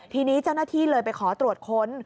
ทีนี้เจ้าหน้าที่เลยไปขอตรวจค้น